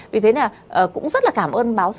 vì thế là cũng rất là cảm ơn